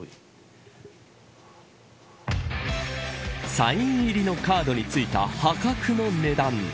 サイン入りのカードについた破格の値段。